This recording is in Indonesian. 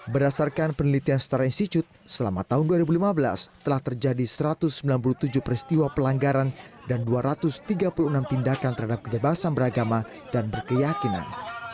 berdasarkan penelitian setara institute selama tahun dua ribu lima belas telah terjadi satu ratus sembilan puluh tujuh peristiwa pelanggaran dan dua ratus tiga puluh enam tindakan terhadap kebebasan beragama dan berkeyakinan